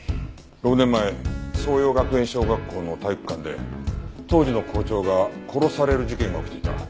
６年前爽葉学園小学校の体育館で当時の校長が殺される事件が起きていた。